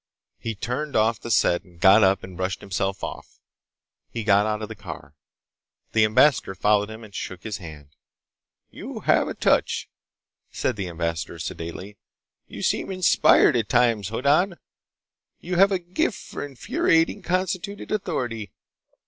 He turned off the set and got up and brushed himself off. He got out of the car. The ambassador followed him and shook his hand. "You have a touch," said the ambassador sedately. "You seem inspired at times, Hoddan! You have a gift for infuriating constituted authority.